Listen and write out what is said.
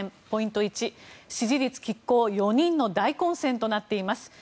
ポイント１、支持率拮抗４人の大混戦となっています。